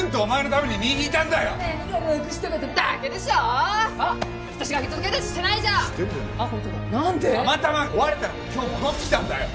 たまたま壊れたのが今日戻ってきたんだよ！